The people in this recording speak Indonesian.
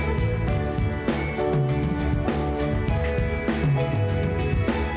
ada bawang benang kecil